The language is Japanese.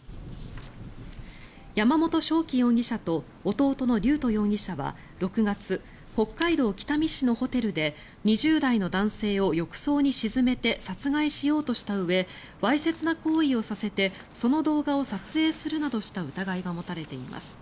山本翔輝容疑者と弟の龍斗容疑者は６月北海道北見市のホテルで２０代の男性を浴槽に沈めて殺害しようとしたうえわいせつな行為をさせてその動画を撮影するなどした疑いが持たれています。